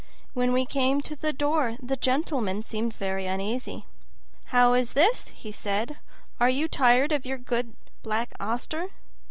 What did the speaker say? When we came to the door the gentleman seemed very uneasy. "How is this?" he said. "Are you tired of your good Black Auster?"